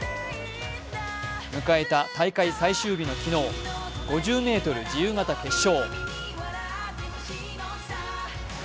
迎えた大会最終日の昨日５０ｍ自由形決勝。